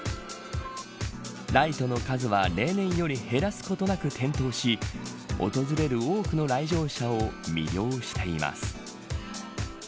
ライトの数は例年より減らすことなく点灯し訪れる多くの来場者を魅了しています。